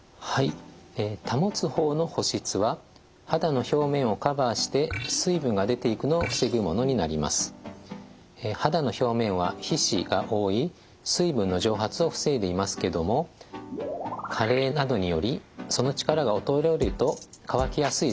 保つ方の肌の表面は皮脂が覆い水分の蒸発を防いでいますけども加齢などによりその力が衰えると乾きやすい状態になってきます。